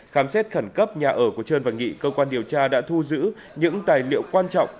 khám xét khẩn cấp nhà ở của trơn và nghị cơ quan điều tra đã thu giữ những tài liệu quan trọng